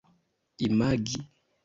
imagi